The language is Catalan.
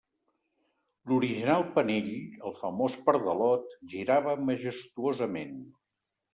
L'original penell, el famós pardalot, girava majestuosament.